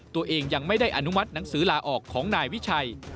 ตัวเองยังไม่ได้อนุมัติหนังสือลาออกของนายวิชัย